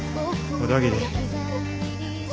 小田切。